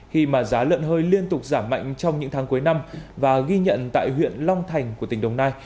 khi mà giá lợn hơi liên tục giảm mạnh trong những tháng cuối năm và ghi nhận tại huyện long thành của tỉnh đồng nai